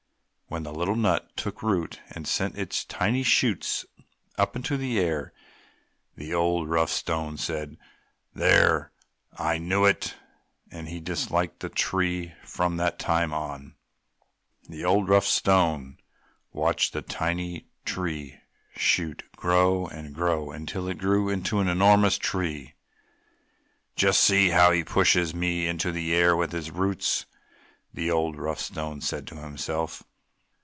When the little nut took root and sent its tiny shoots up in the air, the old, rough Stone said, "There! I knew it!" and he disliked the tree from that time on. The old, rough Stone watched the tiny green shoot grow and grow until it grew into an enormous tree. "Just see how he pushes me up in the air with his roots!" the old, rough Stone said to himself.